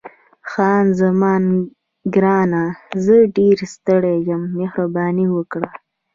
خان زمان: ګرانه، زه ډېره ستړې یم، مهرباني وکړه.